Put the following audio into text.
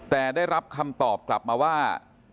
แต่ได้รับคำตอบกลับมาว่า